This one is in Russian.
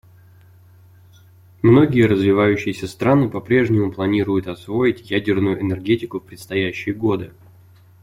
Многие развивающиеся страны по-прежнему планируют освоить ядерную энергетику в предстоящие годы.